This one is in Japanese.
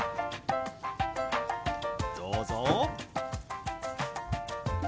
どうぞ！